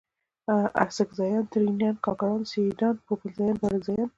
اڅکزیان، ترینان، کاکړان، سیدان ، پوپلزیان، بارکزیان